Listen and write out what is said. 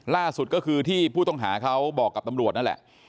ล่าสุดก็คือที่ผู้ต้องหาเขาบอกกับตำรวจนั่นแหละ